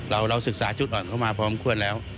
เราศึกษาจุดอ่อนเข้ามาพร้อมควรแล้ว